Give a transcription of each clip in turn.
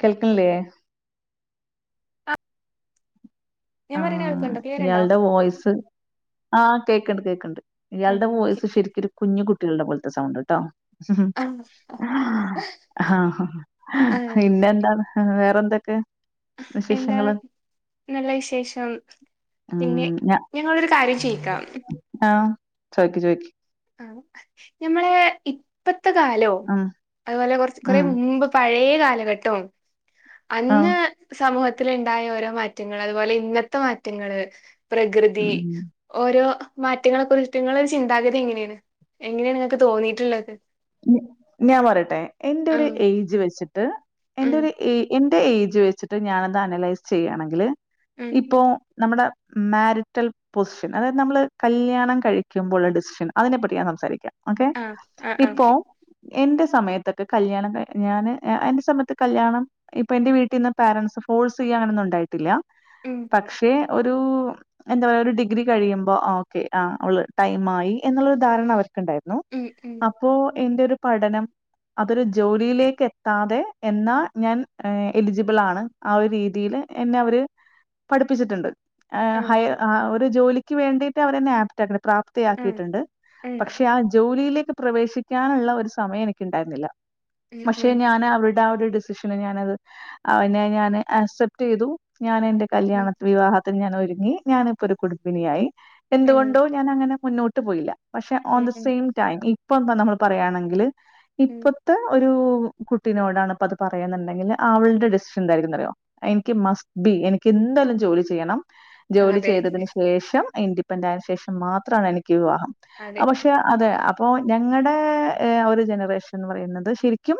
കേട്ടില്ലേ ആ ആഹ് ഉണ്ടോ ഇയാളുടെ വോയിസ് ആഹ് കേക്കണ്ട് കേക്കണ്ട് ആ ഇയാളുടെ ഓക്കെ വോയ്സ് ശരിക്കൊരു കുഞ്ഞു കുട്ടികളുടെ പോലത്തെ സൗണ്ട് ട്ടോ. ആ ആഹ് ആ പിന്നെ എന്താണ്? ആഹ് വേറെ എന്തൊക്കെ? എന്താണ് നല്ല വിശേഷം. പിന്നെ ഉം ഞാ ഞങ്ങളൊരു കാര്യം ചെയ്യിക്കാം. ആഹ് ചോയിക്ക് ചോയിക്ക്. ആഹ് ഞമ്മളെ ഇപ്പത്തെ കാലോ ഉം അതുപോലെ കുറച്ച് കുറെ ഉം മുമ്പ്. പഴയ കാലഘട്ടോ. ആഹ്. സമൂഹത്തില് ഉണ്ടായ ഓരോ മാറ്റങ്ങള് അതുപോലെ ഇന്നത്തെ മാറ്റങ്ങള്. പ്രകൃതി ഉം ഓരോ മാറ്റങ്ങളെ കുറിച്ചിട്ട് ഇങ്ങളെ ഒരു ചിന്താഗതി എങ്ങനെയാ? എങ്ങനെയാണ് നിങ്ങക്ക് തോന്നീയിട്ടുള്ളത്. ഞാൻ പറയട്ടെ എന്റെ ഒരു ഉം ഏയ്ജ് വെച്ചിട്ട് എന്റെ ഉം ഒരു. ഈ എന്റെ ഏയ്ജ് വെച്ചിട്ട് ഞാനത് അനലൈസ് ചെയ്യാണെങ്കില് ഉം ഇപ്പോ നമ്മുടെ. മാരിറ്റൽ പൊസിഷൻ അതായത് നമ്മള് കല്യാണം കഴിക്കുമ്പോഴുള്ള ഡിസിഷൻ അതിനെപ്പറ്റി ഞാൻ സംസാരിക്കാം ഓക്കെ. ആ ആ ആ ഇപ്പോ ഓക്കെ എന്റെ സമയത്തൊക്കെ കല്യാണം കഴിഞ്ഞാല് ഞാന് എന്റെ സമയത്ത് കല്യാണം. ഇപ്പൊ എന്റെ വീട്ടിന്ന് പേരൻസ് ഫോഴ്സ് ചെയ്യാ അങ്ങനൊന്നും ഉണ്ടായിട്ടില്ല ഉം പക്ഷെ ഒരു. എന്താ പറയാ ഒരു ഡിഗ്രി കഴിയുമ്പോ ഓക്കെ ആഹ് അവള് ടൈം ആയി എന്നുള്ളൊരു ധാരണ അവർക്കുണ്ടായിരുന്നു. ഉം ഉം. അപ്പോ എന്റെ ഒരു പഠനം. അതൊരു ജോലിയിലേക്ക് എത്താതെ എന്നാ ഞാൻ എലിജിബിൾ ആണ്. ആഹ് ഒരു രീതിയില് എന്നെ അവര് പഠിപ്പിച്ചിട്ടുണ്ട്. ആഹ് ആ ഹൈ ആഹ് ഒരു ജോലിക്ക് വേണ്ടിട്ട് അവരെന്നെ ആപ്റ്റ് ആക്കിട്ട് പ്രാപ് ആ ഉം തിയാക്കിയിട്ടുണ്ട് ഉം പക്ഷെ ആഹ് ജോലിയിലേക്ക് പ്രവേശിക്കാനുള്ള ഒരു സമയം എനിക്ക് ഉണ്ടായിരുന്നില്ല. പക്ഷെ ഉം ഞാൻ അവിട് ദാ ഒരു ഡിസിഷനെ ഞാനത് അതിനെ ഞാന് അക്സെപ്റ്റ് ചെയ്തു. ഞാൻ എന്റെ കല്യാണ ഉം വിവാഹത്തിന് ഞാൻ ഒരുങ്ങി ഞാൻ ഇപ്പൊ ഒരു കുടുംബിനിയായി ഉം എന്തുകൊണ്ടോ ഞാൻ അങ്ങനെ മുന്നോട്ട് പോയില്ല പക്ഷെ ഓൺ ഉം ദി ഉം സെയിം ടൈം ഇപ്പൊ എന്താ നമ്മള് പറയാണെങ്കില്. ഉം ഇപ്പത്തെ ഒരു കുട്ടിനോടാണ് ഇപ്പ അത് പറയാണ്‌ന്നുണ്ടെങ്കില് അവളുടെ ഡിസിഷൻ എന്തായിരിക്കും അറിയോ? എനിക്ക് മസ്റ്റ് ബി എനിക്ക് എന്തായാലും ജോലി ചെയ്യണം. ജോലി അതെ ചെയ്തതിന് ശേഷം ഇൻഡിപെൻഡ് ആയ ശേഷം മാത്രമാണ് എനിക്ക് വിവാഹം അതെ ആഹ് പക്ഷെ അതെ അപ്പൊ ഞങ്ങടെ ഒരു ജനറേഷൻ എന്ന് പറയുന്നത് ശരിക്കും.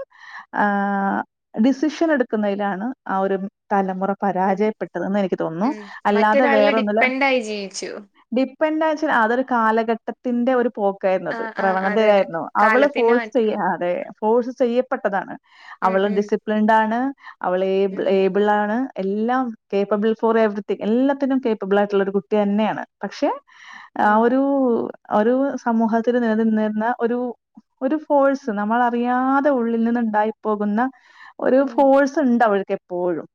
ആഹ് ഡിസിഷൻ എടുക്കുന്നതിലാണ് ആഹ് ഒരു തലമുറ അതെ പരാജയപ്പെട്ടത് എന്ന് എനിക്ക് തോന്നുന്നു ഉം അല്ലാതെ മറ്റൊരാളിൽ വേറൊന്നില് ഡിപ്പെൻഡായി ജീവിച്ചു ഡിപ്പെൻഡ് വെച്ചാൽ അതൊരു കാലഘട്ടത്തിന്റെ ഒരു പോക്കായിരുന്നു അത്. ആഹ് ആഹ് അതെ അതെ പ്രവണതയായിരുന്നു അവള് കാലത്തിന്റെ ഫോഴ്സ് മാറ്റം ചെയ്യാൻ. അതെ ഫോഴ്സ് ചെയ്യപ്പെട്ടതാണ് ഉം അവള് ഉം ഡിസിപ്ലിൻഡ് ആണ്. അവള് ഏബിൾ ഉം ഏബിളാണ്. എല്ലാം കേപ്പബിൾ ഫോർ എവരിതിങ് എല്ലാത്തിനും കേപ്പബിൾ ആയിട്ടുള്ള ഒരു കുട്ടി തന്നെയാണ് പക്ഷെ ആഹ് ഉം ഒരു ഒരു സമൂഹത്തിൽ നിലനിന്നിരുന്ന ഒരു ഒരു ഫോഴ്സ് നമ്മളറിയാതെ ഉള്ളിൽ നിന്ന് ഉണ്ടായി പോകുന്ന ഒരു ഉം ഫോഴ്സ് ഉണ്ട് അവൾക്ക് എപ്പോഴും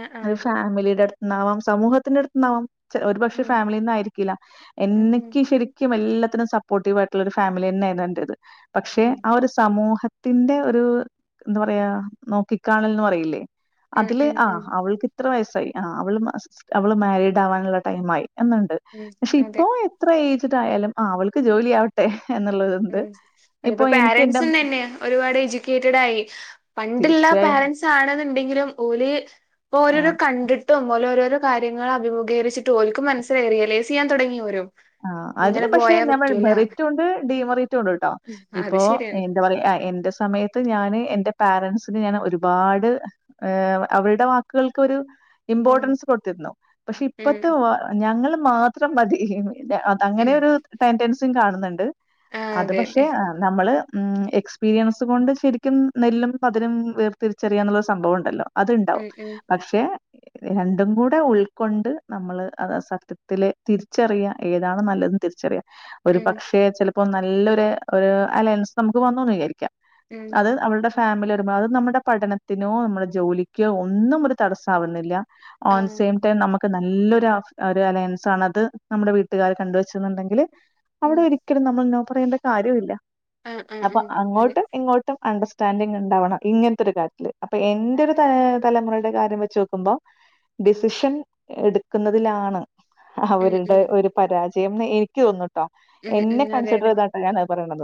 ആഹ് ആഹ് ഒരു ഫാമിലിയുടെ അടുത് ന്നാവാം സമൂഹത്തിന്റെ അടുത്ത് നിന്നാവാം ചില ഒരു പക്ഷെ ഉം ഫാമിലിന്ന് ആയിരി ക്കില്ല ഉം ഉം എന്നിക്ക് ശരിക്കും എല്ലാത്തിനും സപ്പോർട്ടീവ് ആയിട്ടുള്ള ഒരു ഫാമിലി തന്നെയായിരുന്നു എന്റേത്. പക്ഷെ ഉം ആഹ് ഒരു സമൂഹത്തിന്റെ ഒരു എന്താ പറയാ നോക്കിക്കണല്ന്ന് പറയില്ലേ. ഉം അതില് ഉം ഉം ആഹ് അവൾക്ക് എത്ര വയസ്സായി ആഹ് അവള് അവള് മാരീഡ് ആവാനുള്ള ടൈം ആയി എന്നുണ്ട് ഉം പക്ഷെ അതെ ഇപ്പോ എത്ര ഏയ്ജിടായാലും അവൾക്ക് ജോലിയാവട്ടെ എന്നുള്ളത്. ഉം അതിപ്പോ പേരൻസും തന്നെയാ. ഒരുപാട് എജ്യൂക്കേറ്റഡ് ആയി പണ്ടുള്ള തീർച്ചയായും പേരൻറ്സ് ആണെന്നുണ്ടെങ്കിലും പോല് പ്പ ഓരോരോ കണ്ടിട്ടും ഓലോരോരോ കാര്യങ്ങൾ അഭിമുഖീകരിച്ചിട്ട് ഓൽക്ക് മനസിലായി റിയലൈസ് ചെയ്യാൻ തുടങ്ങി ഓരും ആഹ് അതിന് ഇങ്ങനെ പക്ഷെ പോയാ ഞമ്മൾ പറ്റൂല മെറിറ്റും ഉണ്ട് ഡീമെറിറ്റും ഉണ്ട്. ടോ അത് ഇപ്പോ ശരിയാണ്. എന്താ പറയാ ആഹ് എന്റെ സമയത് ത്ത് ഞാന് എന്റെ പോരൻറ്സിന് ഞാൻ ഒരുപാട് അവരുടെ വാക്കുകൾക്കൊരു ഉം ഇമ്പോർട്ടൻസ് കൊടുത്തിരുന്നു പക്ഷെ ഉം ഇപ്പത്തെ ഞങ്ങൾ മാത്രം മതി [unintelligible] അങ്ങനെ ഉം ഒരു ടെന്റൻസിയും കാണുന്നുണ്ട് ആഹ് അത് അതെ പക്ഷെ അതെ ആഹ് നമ്മൾ എക്സ്പീരിയൻസ് കൊണ്ട് ശരിക്കും നെല്ലും പതിരും വേർതിരിച്ചറിയാനുള്ള സംഭവം ഉണ്ടല്ലോ അതുണ്ടാവും ഉം ഉം പക്ഷെ രണ്ടും കൂടെ ഉൾക്കൊണ്ട് നമ്മള് അത് സത്യത്തില് തിരിച്ചറിയാൻ ഏതാണ് നല്ലത് തിരിച്ചറിയാം ഒരു ഉം പക്ഷേ ചില ഇപ്പൊ നല്ലൊരു അലയൻസ് നമുക്ക് വന്നൂന്ന് വിചാരിക്കാം ഉം അത് അവൾടെ ഫാമിലി വരുമ്പോൾ അത് നമ്മുടെ പഠനത്തിനോ നമ്മുടെ ജോലിക്കോ ഒന്നും ഒരു തടസ്സമാവുന്നില്ല. ഓൺ ആഹ് സെയിം ടൈം നമുക്ക് നല്ലൊരു ഒരു അലയൻസ് ആണത് നമ്മടെ വീട്ടി വീട്ടുകാര് കണ്ട് വെച്ചെന്നുണ്ടെങ്കില് ഉം അവിടെ ഒരിക്കലും നമ്മൾ നോ പറയേണ്ട കാര്യമില്ല ആഹ് ആഹ് അപ്പോ ആഹ് അതെ അങ്ങോട്ടും ഇങ്ങോട്ടും അണ്ടർസ്റ്റാൻഡിങ് ഉണ്ടാവണം ഇങ്ങനത്തെ ഒരു കാര്യത്തി ല് അപ്പോ എന്റെ ഒരു അതെ ത തലമുറുടെ കാര്യം വെച്ച് നോക്കുമ്പോ ഡിസിഷൻ എടുക്കുന്നതിലാണ് ഉം അവരുടെ ഉം ഒരു പരാജയംമെന്ന്‌ എനിക്ക് തോനൂന്നൂ ട്ടോ ഉം എന്നെ ഉം അതെ കൺസിഡർ അതെ ചെയ്ത കേട്ടോ ഞാൻ പറയണത്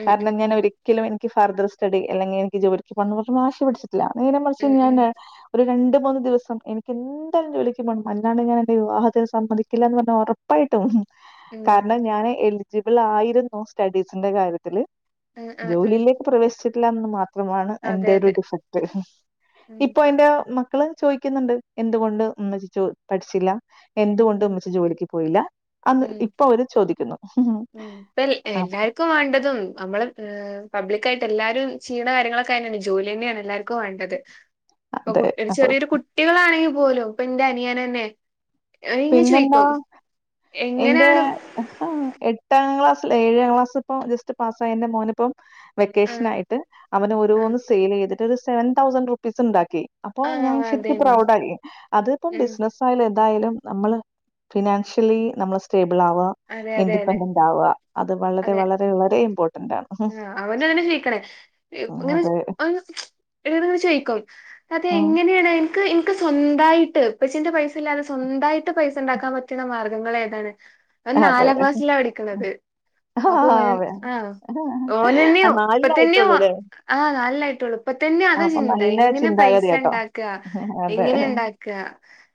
ഉം ഉം കാരണം ഞാൻ ഉം ഒരിക്ക ഒരിക്കലും എനിക്ക് ഫർദർ സ്റ്റഡി അല്ലെങ്കിൽ എനിക്ക് ജോലിക്ക് പോണന്നു പറഞ്ഞ് വാശി പിടിച്ചിട്ടില്ല നേരെ മറിച്ച് ഉം ഉം ഞാന് ഒരു രണ്ട് മൂന്ന് ദിവസം എനിക്ക് എന്തായാലും ജോലിക്ക് പോണം അല്ലാണ്ട് ഞാൻ എന്റെ വിവാഹത്തിന് സമ്മതിക്കില്ല എന്ന് പറഞ്ഞ ഉറ ഉറപ്പായിട്ടും ഉം കാരണം ഞാന് എലിജിബിൾ ആയിരുന്നു സ്റ്റഡീസിന്റെ കാര്യത്തില് ആഹ് ആഹ് ആഹ് ജോലിയിലേക്ക് പ്രവേശിച്ചിട്ടില്ല എന്ന് മാ മാത്രമാണ് അതെ എന്റെ ഒരു അതെ ഡിഫക്ട് ഉം ഇപ്പോ എന്റെ മക്ക മക്കള് ചോദിക്കുന്നുണ്ട് എന്തുകൊണ്ട് ഉമ്മച്ചി ജോ പഠിച്ചില്ല എന്തുകൊണ്ട് ഉം ഉമ്മച്ചി ജോലിക്ക് പോയില്ല അന്ന് ഉം ഇപ്പോ അവര് ചോദിക്കുന്നു [unintelligible] ആഹ് നിക്ക് വേണ്ടതും നമ്മള് പബ്ലിക്കായിട്ട് എല്ലാരും ചെയ്യണ കാര്യങ്ങളൊക്കെഅയിനാണ് ജോലി തന്നെയാണ് എല്ലാർ ക്കും വേണ്ടത് ഇപ്പോ അതെ കുട്ടി ഒരു അപ്പൊ ചെറിയൊരു കുട്ടികളാണെങ്കി പോലും ഇപ്പോ എന്റെ അനിയന് തന്നെ അനിയിങ്ങനെ ചോദിക്കും എന്തുവാ എങ്ങനെയാണ് ആഹാ എട്ടാം ക്ലാസില് ഏഴാം ക്ലാസ് ഇപ്പോ ജസ്റ്റ് പാസ്സ് ആയ എന്റെ മോൻ ഇപ്പം വെക്കേഷൻ ആഹ് ആയിട്ട് ആഹ് അവനൊരോന്ന് സെയില് ചെയ്തിട്ട് ഒരു സെവൻ തൗസൻറ് റുപ്പീസ് ഉണ്ടാക്കി അപ്പോ ഞാൻ ആഹ് ശരിക്കും അതന്നെ പ്രൗഡ് ആയി അതിപ്പം ഉം ബിസിനസ് ആയാലും എതായാലും നമ്മള് ഫിനാൻഷ്യലി നമ്മള് സ്റ്റേബിൾ ആവുക അതെ അതെ അതെ ഇൻഡിപെൻഡന്റ് ആവുക അത് വളരെ അതെ വളരെ വളരെ ഇമ്പോർട്ടന്റ് ആണ് ആ അവനും അങ്ങനെ ചോദിക്കണേ [unintelligible] [unintelligible] ഇങ്ങനെ അതെ. അങ്ങ് ഇളയതിങ്ങനെ ചോയിക്കും അത് ആഹ്. എങ്ങനെയാണ് നിക്ക് എനിക്ക് സ്വന്തായിട്ട് ഉപ്പച്ചിന്റെ പൈസ ഇല്ലാതെ സ്വന്തായിട്ട് പൈസ ഉണ്ടാക്കാൻ പറ്റുന്ന മാർഗ്ഗങ്ങൾ ഏതാണ് അവൻ അതെ. നാലാം ക്ലാസ്സിലാ പഠിക്കണത് ആ അപ്പോ അവൻ അതെ. ആഹ് ആ ഓനെന്നെയോ ഇപ്പത്തന്നെയോ നാലിലായിട്ടുള്ളൂല്ലേ? ആഹ് നാലിലായിട്ടേള്ളൂ ഇപ്പ തന്നെ അതാ അപ്പൊ ചിന്ത നല്ല എങ്ങനെ പൈസ ചിന്താഗതിയാട്ടോ. ഉണ്ടാക്കുക അതെ. എങ്ങനെ ഉണ്ടാ ക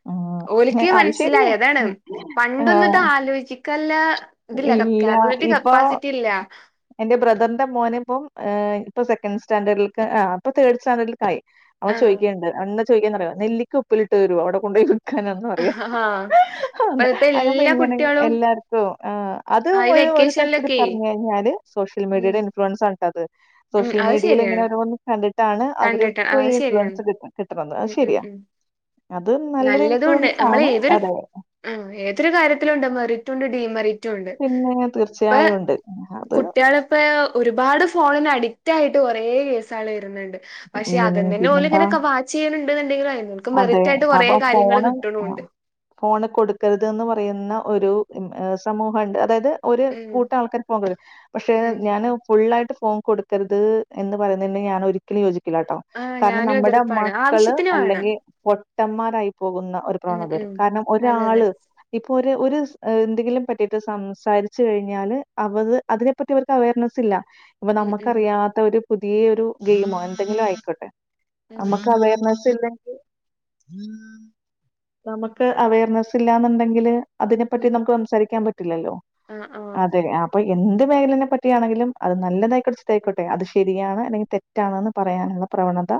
ഉം. ഓലക്ക് അത് മനസ്സിലായി ശരിയാ. അതാണ് പണ്ടൊന്നും ഇത് ആഹ്. ആലോചി ക്കല്ല ഇതില്ല കപ്പ് ഇല്ല. ക്യാപബിലിറ്റി ഇപ്പൊ കപ്പാസിറ്റി ഇല്ല എന്റെ ബ്രദറിന്റെ മോന് ഇപ്പം ഏഹ് ഇപ്പോ സെക്കൻഡ് സ്റ്റൻഡേർഡേലിക്ക് ആഹ് അപ്പം തേർഡ് സ്റ്റാൻഡേർഡിലേക്ക് ആയി അവൻ ആഹ് ചോദിക്കേണയുണ്ട് അവൻ എന്താ ചോദിക്കാന്നറിയുവോ നെല്ലിക്ക ഉപ്പിലിട്ട് തരുവോ അവിടെ കൊണ്ടു പോയി വി ക്കാനെന്നു പറയുവാ ആഹ് [unintelligible] ആന്ന് ഇപ്പഴത്തെ അയി നിപ്പോ എല്ലാ ഇങ്ങനെ എ കുട്ടികളും എല്ലാടത്തും ആഹ് അതും ആഹ് ഈ ഒരു ഒരു തരത്തില് വെക്കേഷനിലൊക്കെ പറഞ്ഞ് കഴിഞ്ഞാല് സോഷ്യൽ ഉം മീഡിയയുടെ ഇൻഫ്ലുവൻസ് ആണ് കേട്ടോ അത് ഉം സോഷ്യൽ അത് മീഡിയയിൽ ഇങ്ങനെ ശരിയാണ് ഒരോന്നും കണ്ടിട്ടാണ് അവര് കണ്ടിട്ട് പോയി അത് ശരിയാണ് ഇൻഫ്ലുവൻസ് കിട്ട് കിട്ടണത് അത് ഉം ഉം ശരിയാ ഉം അത് നല്ലൊരു ഇൻഫ്ലുവൻസ് ആണ് അതെ ഉം ഏതൊരു കാര്യത്തിലുണ്ട് മെറിറ്റുംണ്ട് ഡിമെറി റ്റുണ്ട് പിന്നെ ഇപ്പ തീർച്ചയായും ഉണ്ട്. അത് കുട്ടിയാള് ഇപ്പോ ഒരുപാട് ഫോണിന് അഡിക്റ്റ് ആയിട്ട് കൊറേ കേസാള് വരുന്നുണ്ട് പക്ഷേ ഉം അദ്യം തന്നെ ഓല് പിന്നെന്താ ഇങ്ങനെക്കെ വാച്ച് ചെയ്യുന്നുണ്ടന്ന്ണ്ടെങ്കില് [unintelligible] അതെ അപ്പ ഫോണും ആഹ് ഫോണ് കൊടുക്കരുതന്ന് പറയുന്ന ഒരു സമൂഹമൊണ്ട് അതായത് ഒരു ഉം കൂട്ടം ആൾക്കാര് ഫോൺ കൊടുക്കരുത് പക്ഷേ ഉം ഞാന് ഫുള്ളായിട്ട് ഫോൺ കൊടു ക്കരുത് എന്ന് പറയുന്നതിന് ഞാൻ ഒരിക്കലും യോജിക്കില്ല കേട്ടോ ആഹ് കാരണം ഞാനും നമ്മുടെ എതിർപ്പാണ് മക്കള് ആവശ്യത്തിന് വേണം അല്ലെങ്കിൽ പൊട്ടന്മാരായി പോകുന്ന ഒരു ഉം പ്രവണത വരും ഉം കാരണം അതെ അതെ ഒരാള് ഇപ്പോ ഒരു ഒരു എന്തെങ്കിലും പറ്റിയിട്ട് സംസാരിച്ചു കഴിഞ്ഞാല് അവത് അതിനെ പറ്റി അവർക്ക് അവയർനെസ് ഇല്ല ഇപ്പോ ഉം ഉം നമുക്കറിയാത്ത ഒരു പുതിയ ഒരു ഗെയിമോ എന്തെങ്കിലും ആയിക്കോട്ടെ ഉം നമുക്ക് അവയർനസ് ഇല്ലെങ്കി നമുക്ക് അവയർനസില്ലാന്ന്ണ്ടെങ്കില് അതിനെപ്പറ്റി ഉം നമുക്കംസാരിക്കാൻ പറ്റില്ലല്ലോ ആഹ് ആഹ് അതെ അഹ് പ്പൊ എന്ത് മേഖലനെപ്പറ്റിയാണെ ങ്കിലും അത് നല്ലതായിക്കൊട്ടെ ചീത്തയായിക്കൊട്ടെ അത് ശരിയാണ് അല്ലെങ്കി തെറ്റ് റ്റാണെന്ന് പറയാന്ള്ള പ്രവണത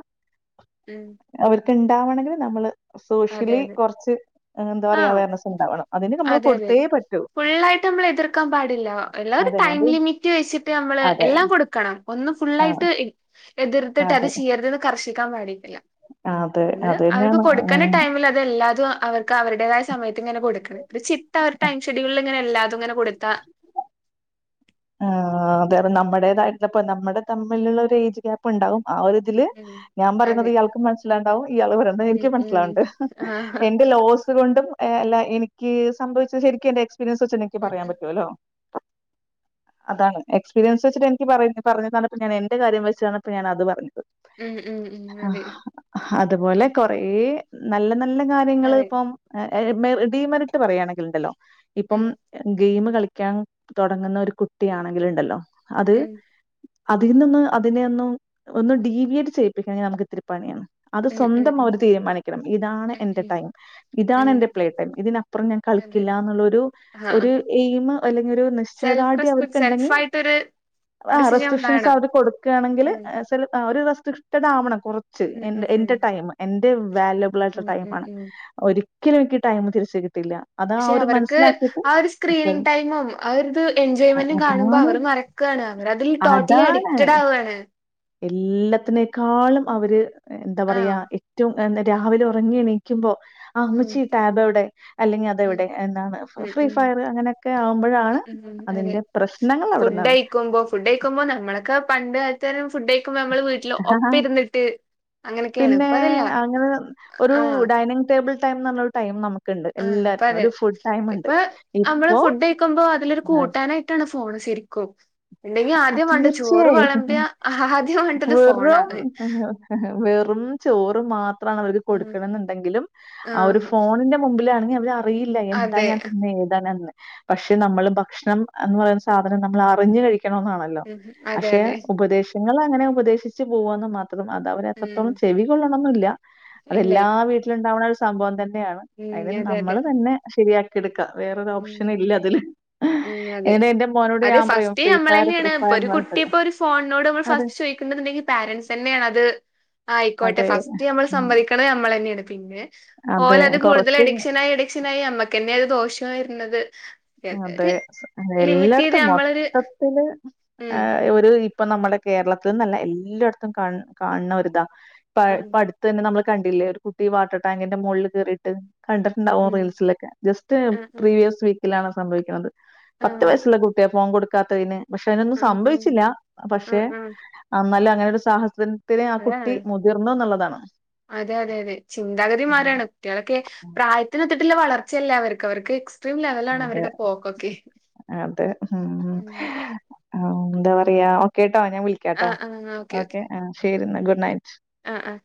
ഉം അവർക്കിണ്ടാവണങ്കില് നമ്മള് അതെ സോഷ്യലി അതെ കൊറച്ച് എന്ത്പറയാ ആഹ് അവെയർനെസ്സുണ്ടാവണം അതിന് നമ്മള് കൊടുത്തേ പറ്റൂ ഫുള്ളായിട്ടമ്മള് എതിർക്കാൻ പാടില്ല എല്ല ഒരു അതെ ടൈം അത് ലിമിറ്റ് വെച്ചിട്ടമ്മള് അതെ. എല്ലാം കൊടുക്കണം ഒന്ന് ആഹ് ഫുള്ളായിട്ട് എ എതിർത്തിട്ട് അത് അതെ. ചിയ്യരുതെന്ന് കർഷിക്കാൻ പാടി ടില്ല അതെ ഒന്ന്ന് അവൾക്ക് അതന്നെയാണ്. കൊടുക്കന ഉം പോലെ അതെല്ലാതും അവർക്ക് അവരുടേതായ സമയത്തിങ്ങനെ കൊടുക്ക്ണ്‌ രു ചിട്ട ഒരു ടൈം ഷെഡ്യൂളിലിങ്ങനെ എല്ലാതുങ്ങനെ കൊടുത്താ ഏഹ് ആതേറ നമ്മുടേതായിട്ടപ്പ നമ്മടെ തമ്മിലുള്ള ഒരു ഏജ് ഗ്യാപ്പ്ണ്ടാവും ആ ഒരു ഇത്‌ തില് ഉം ഞാൻ പറയുന്നത് അതെ ഇയാൾക്കും മനസ്സിലാണ്ടാവും ഇയാള് പറയുന്നത് ഉം എനിക്കും ഉം മനസ്സിലാണ്ട് ആഹ് എന്റെ ലോസ് കൊണ്ട് ഏ അല്ല എനിക്ക് സംഭവിച്ചശരിക്കും എന്റെ എക്സ്പീരിയൻസ് വെച്ചെന്നെ ഇക്ക് ഉം പറയാൻ പറ്റുവല്ലോ അതാണ് എക്സ്പിരിയൻസ് വെച്ചിട്ടെനിക്ക് പറ പറഞ്ഞതന്നപ്പ ഞാൻ എന്റെ കാര്യം വെച്ച് തന്നപ്പ ഞാനത് പറഞ്ഞ് ഉം ഉം ഉം അതെ ഹ് അതുപോലെ ഉം. കൊറേ നല്ല നല്ല അതെ കാര്യങ്ങള്പ്പം ആ ഏമേറ് ഡീമറിട്ട് പറയാണെങ്കിലിണ്ടല്ലോ ഇപ്പം ഉം ഗെയിമ് കളിക്കാൻ തൊടങ്ങ്ന്ന ഒരു കുട്ടിയാണെങ്കില്ണ്ടല്ലോ അത് ഉം അതീ നിന്ന് അതിനെ ഒന്നും ഒന്ന് ഡീവിയേറ്റ് ചെയ്യിപ്പിക്കണെൽ നമുക്കി ത്തിരിപ്പണിയാണ് അത് ഉം സ്വന്തം ഉം അവര് തീരുമാനിക്കണം ഇതാണ് ഉം എന്റെ ഉം ടൈം ഉം ഇതാണെന്റെ പ്ലേ ടൈം ഇതിനപ്പുറം ഞാൻ അതെ കളിക്കില്ല എന്നുള്ളൊരു ആഹ് ഒരു എയിമ് അല്ലെങ്കിയൊരു നിശ്ചയതാ സെൽഫ് [unintelligible] റെസ്പെക്ട് ഓര്ക്ക്ന്ടെങ്ങി സെൽഫായിട്ടൊരു ആഹ് ഡിസിഷൻ റെസ്‌ട്രിക്‌ഷെൻസ് വേണം. അവര് കൊടുക്കാനെങ്കില് അതെ. ഏഹ് റെസല് ഒരു റെസ്ട്രിക്റ്റൻഡ് ആവണം കൊറച്ച് ഉം ഉം എന്റെ ഉം എന്റെ ടൈം എന്റെ വാല്യുബ് ബ്ലായിട്ട്ള്ള ഉം ടൈം ഉം ആണ് ഉം ഒരിക്കലും എനിക്കീ ടൈമ് തിരിച്ച് കിട്ടില്ല അത് ആ പക്ഷെ ഒരു അവര്ക്ക് മനസ്സിലാക്കിയിട്ട് ആ ഒരു സ്ക്രീനിങ് ടൈമും ആ ഒരിത് എൻജോയ്മെന്റ് കാണുമ്പോ അതാണ് അവറ് മറക്കാണ് അവരതിൽ ടോട്ടലി അഡിറ്റടാവ്വ്വാണ് എല്ലത്തിനേക്കാളും അവര് എന്താ പറയാ ആഹ് റ്റും ഒന്ന് രാവിലെ ഉറങ്ങി എണീക്കുമ്പോ ആ ഉം മ്മച്ചീ ടാബെവിടെ അല്ലെങ്കി ഉം അതെവിടെ എന്നാണ് ഉം ഫ്രീ ഉം ഫയറ് അങ്ങനെയക്കെയാവുമ്പഴാണ് ഉം ഉം അതെ ഫുഡൈയ്ക്കുമ്പോ ഫുഡൈയി ക്കുമ്പോ നമ്മളക്കെ പണ്ട് കാൽത്തെ ഫുഡൈ പ്പം നമ്മള് വീട്ടില് ഒപ്പയിരുന്നിട്ട് പിന്നേ അങ്ങനെ [unintelligible] ഒരു ആഹ് ഡൈനിങ് ടേബിൾ ടൈംന്നുള്ളരു ടൈം നമുക്ക് ആഹ് പ്പതെ ഇപ്പൊ അമ്മള് ഇപ്പോ ഫുഡ് കയിക്കുമ്പോ അതിലൊരു കൂട്ടാനായി ട്ടാണ് ഫോണ് ശരിക്കും ണ്ടെങ്കി ആദ്യം വേണ്ട ചോറ് തീർച്ചയായും വളമ്പിയ ആദ്യം വേണ്ടത് വെറും ഫോണാണ് വെറും ചോറ് മാത് റാണ് അവര്ക്ക്‌ ഉം കൊടുക്ക്‌ണ്ന്നുണ്ടെങ്കിലും ആഹ് ഒരു ഫോണിന്റെ മുമ്പിലാണെങ്കി അവര് റിയില്ല എന്താ അതെ ഞാൻ തിന്ന എഴുതാനാന്ന് പക്ഷെ നമ്മള് ഭക്ഷണം അന്ന് പറയുന്ന സാധനം നമ്മൾ അറിഞ്ഞു കഴിക്കണോന്നാണല് ലൊ ഉം അതെ അതെ [unintelligible] ഉപദേശ നിങ്ങളങ്ങനെ ഉപദേശിച്ചു പോവാന്ന് മാത്രം അത് ഉം അവരെത്രത്തോളം ചെവി കൊള്ളണന്നില്ല ഇല്ല അതെല്ലാ വീട്ടിലുണ്ടാവണരു സംഭവം തന്നെയാണ് ഉം അതിന് അതെ അതെ നമ്മള് തന്നെ ശെരിയാക്കിയെടുക്കാം ഉം വേറൊരോപ്ഷനില്ല അതില് എനെന്റെ മോനോട് ഞാൻ പറയും ഫ്രീ ഫയർ മ്മളന്നെയാണ് ഫ്രീ പ്പ ഒരു ഫയർന്ന് കുട്ടി പറഞ്ഞിട്ട്. ഇപ്പൊ ഒരു ഫോണിനോട് അതെ. ഫസ്റ്റ് ചോദിക്കുന്നു ണ്ടെങ്കിൽ പാരൻസന്നെയാണ് അത് ആയിക്കോട്ടെ അതെ ഫസ്റ്റ്മ്മള് സമ്മതിക്കണേ അമ്മള് തന്നെയാണ് പിന്നെ അതെ ഓലത് കൊറച്ച് കൂടുതലഡിക്ഷനായിഎടുക്ക് ക്ഷനായി അമ്മക്കന്നെയ അത് ദോഷവായിരുന്നത് അതെ എല്ലാട്ത്തും നമ്മളൊരു മൊത്തത്തില് ഉം ആഹ് ഒരു ഇപ്പൊ നമ്മടെ കേരളത്ത്ന്നല്ല എല്ലോട്ത്തും കാ കാൺണ ഒരിതാ. ഉം തെന്നെ നമ്മള് കണ്ടില്ലേ ഒരു കുട്ടി വാട്ടർ ടാങ്കിന്റെ മോളിൽ കേറിട്ട് കണ്ട ണ്ടാവും ഉം റീൽസിലൊക്കെ ജസ്റ്റ് ആഹ് പ്രീവിയസ് വീക്കിലാണ് സംഭവിക്കുണത് പത്ത് ആഹ് വയസുള്ള കുട്ടിയ ഫോം കൊട്ക്കാത്തെയ്ന് പക്ഷെ അയ്നൊന്നും ആഹ് ആഹ് സംഭവിച്ചില്ല ആഹ് പക്ഷെ ആഹ് ആഹ് എന്നാലങ്ങനൊരു സാഹസത്തിന് ത്തിന് ആഹ് അതാണ് കുട്ടി മുതിർന്ന് എന്നുള്ളതാണ്. കുട്ടിയളൊക്കെ ഉം. പ്രായത്തിനൊത്ത്ട്ട്ള്ള വളർച്ചയല്ല അവർക്ക് അവർക്ക് ലെവലാണ് അതെ അവരുടെ പോക്കൊക്കെ അത് ഹും ഉം ആഹ് ന്താ പറയാ ഓക്കെ ട്ടോ ഞാൻ വിളിക്കാട്ടോ ഓക്കെ ആഹ് ശരിന്നാ ഗുഡ് നൈറ്റ്. ആഹ് ആഹ്